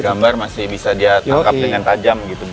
gambar masih bisa dia tangkap dengan tajam gitu